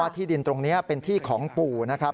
ที่ดินตรงนี้เป็นที่ของปู่นะครับ